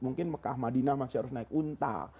mungkin mekah madinah masih harus naik untal